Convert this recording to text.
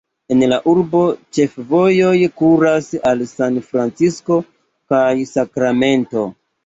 El la urbo ĉefvojoj kuras al San Francisco kaj Sakramento.